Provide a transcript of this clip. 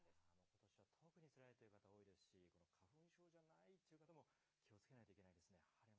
ことしは特につらいという方多いですし、この花粉症じゃないという方も、気をつけないといけないですね。